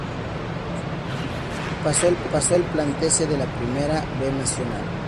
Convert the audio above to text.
De allí, pasó al Platense de la Primera B Nacional.